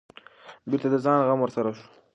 بېرته د ځان غم ورسره شو.